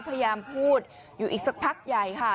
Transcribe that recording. พยายามพูดอยู่อีกสักพักใหญ่ค่ะ